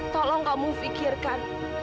tolong kamu fikirkan